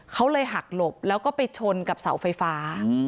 เขาเลยหักหลบแล้วก็ไปชนกับเสาไฟฟ้า